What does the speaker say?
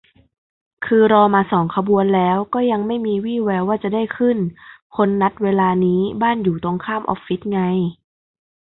คือรอมาสองขบวนแล้วก็ยังไม่มีวี่แววว่าจะได้ขึ้น คนนัดเวลานี้บ้านอยู่ตรงข้ามออฟฟิศไง